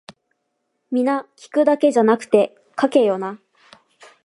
皆聞くだけじゃなくて書けよな